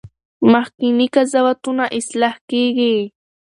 مخکني قضاوتونه اصلاح کیږي.